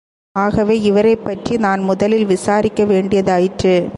ஆகவே இவரைப்பற்றி நான் முதலில் விசாரிக்க வேண்டிய தாயிற்று.